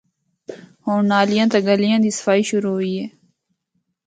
ہونڑ نالیاں تے گلیاں دی صفائی شروع ہوئی ہے۔